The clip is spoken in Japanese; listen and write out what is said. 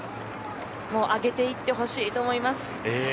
もう上げていってほしいと思います。